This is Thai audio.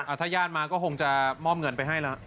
ถ้าญาติมาก็คงจะมอบเงินไปให้แล้ว